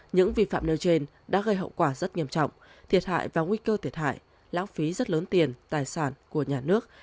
những vi phạm nêu trên đã gây hậu quả rất nghiêm trọng thiệt hại và nguy cơ thiệt hại lãng phí rất lớn tiền tài sản của nhà nước